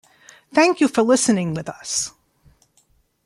Thank you for listening with us.